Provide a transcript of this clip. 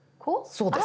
そうです。